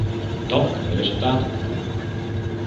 Dan kunnen wij resultaten boeken.